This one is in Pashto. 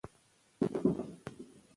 مالي پریکړې باید رڼې وي.